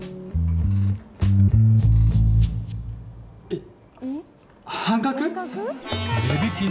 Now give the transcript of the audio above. えっ。